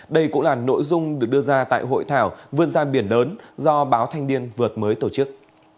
đây cũng là nội dung được đưa ra tại hội thảo vươn ra biển lớn do báo thanh niên vượt mới tổ chức